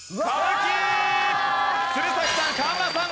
鶴崎さん河村さん